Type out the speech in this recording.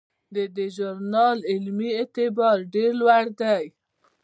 د دې ژورنال علمي اعتبار ډیر لوړ دی.